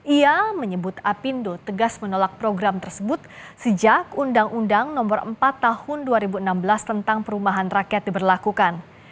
ia menyebut apindo tegas menolak program tersebut sejak undang undang no empat tahun dua ribu enam belas tentang perumahan rakyat diberlakukan